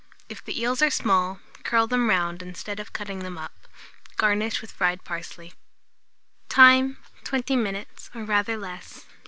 If the eels are small, curl them round, instead of cutting them up. Garnish with fried parsley. Time. 20 minutes, or rather less.